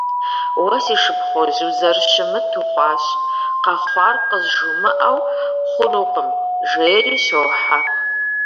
Уэ си шыпхъужь, узэрыщымыт ухъуащ: къэхъуар къызжумыӏэу хъунукъым, - жери щохьэ.